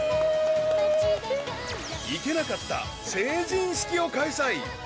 行けなかった成人式を開催。